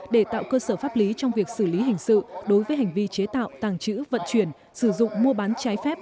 để tạo cơ sở pháp lý trong việc xử lý hình sự đối với hành vi chế tạo tàng trữ vận chuyển sử dụng mua bán trái phép